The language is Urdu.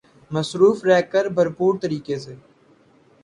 مصروف رہ کر بھرپور طریقے سے